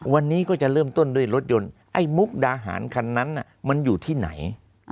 วันนี้ก็จะเริ่มต้นด้วยรถยนต์ไอ้มุกดาหารคันนั้นมันอยู่ที่ไหน